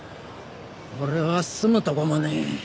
俺は住むとこもねえ。